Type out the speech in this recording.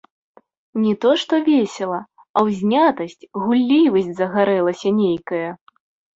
Не то што весела, а ўзнятасць, гуллівасць загарэлася нейкая.